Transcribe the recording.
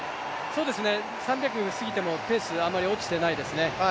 ３００すぎてもペースあまり落ちてないですね。